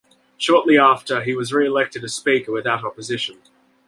Shortly after, he was re-elected as speaker without opposition.